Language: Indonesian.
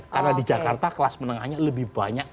karena di jakarta kelas menengahnya lebih banyak